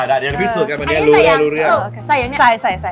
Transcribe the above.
ได้เดี๋ยวพี่สุกกันวันเนี่ย